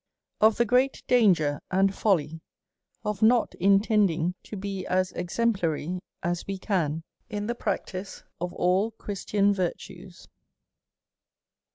Of the great Danger and Folly of not intending to be as exemplary as ice can, in the practice of all Christian virtues.